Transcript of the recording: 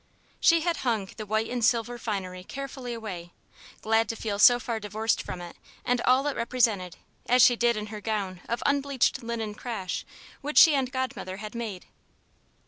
She had hung the white and silver finery carefully away, glad to feel so far divorced from it and all it represented as she did in her gown of unbleached linen crash which she and Godmother had made.